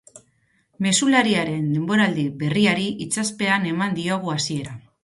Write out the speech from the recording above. Mezulariaren denboraldi berriari itsaspean eman diogu hasiera.